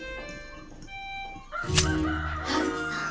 葉月さん。